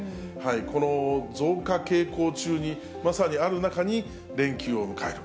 この増加傾向中にまさにある中に連休を迎える。